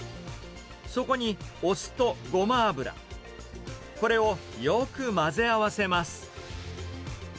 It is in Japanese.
そこにお酢とゴマ油、これをよく混ぜ合わせます。